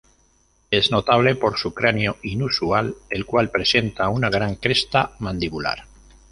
Es notable por su cráneo inusual, el cual presenta una gran cresta mandibular.